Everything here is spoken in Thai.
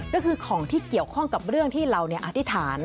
ก็คือของที่เกี่ยวข้องกับเรื่องที่เราอธิษฐาน